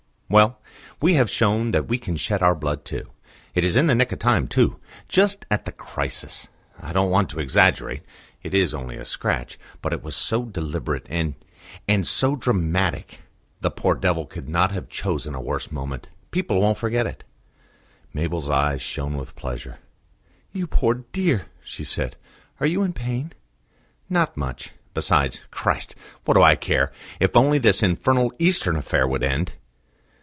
"Well; we have shown that we can shed our blood too. It is in the nick of time, too, just at the crisis. I don't want to exaggerate; it is only a scratch but it was so deliberate, and and so dramatic. The poor devil could not have chosen a worse moment. People won't forget it." Mabel's eyes shone with pleasure. "You poor dear!" she said. "Are you in pain?" "Not much. Besides, Christ! what do I care? If only this infernal Eastern affair would end!"